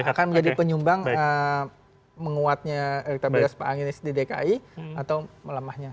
akan menjadi penyumbang menguatnya elektabilitas pak anies di dki atau melemahnya